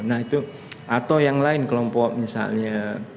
nah itu atau yang lain kelompok misalnya